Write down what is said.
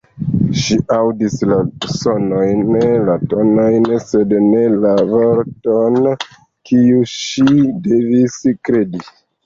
Ŝi aŭdis la sonojn, la tonojn, sed ne la vorton, kiun ŝi devis kredi.